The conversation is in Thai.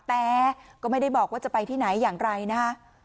แต่ก็ไม่ได้บอกว่าจะไปที่ไหนอย่างไรนะคะ